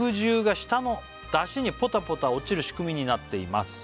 「下のだしにポタポタ落ちる仕組みになっています」